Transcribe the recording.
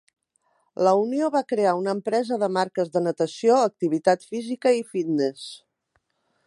La unió va crear una empresa de marques de natació, activitat física i fitness.